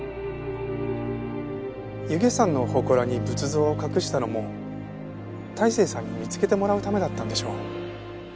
弓削山のほこらに仏像を隠したのも泰生さんに見つけてもらうためだったんでしょう。